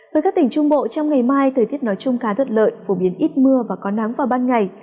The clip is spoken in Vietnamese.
với các tỉnh trung bộ trong ngày mai thời tiết nói chung khá thuận lợi phổ biến ít mưa và có nắng vào ban ngày